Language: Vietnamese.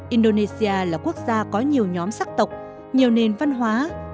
indonesia là quốc gia có nhiều nhóm sắc tộc nhiều nền văn hóa